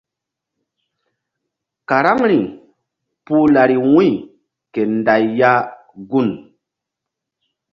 Karaŋri puh lari wu̧y ke nday ya gun.